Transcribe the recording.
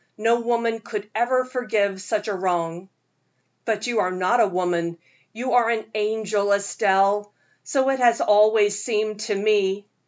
No woman could ever forgive such a wrong." "But you are not a woman, you are an angel, Estelle so it has always seemed to me.